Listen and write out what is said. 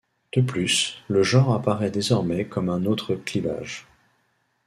De plus, le genre apparaît désormais comme un autre clivage.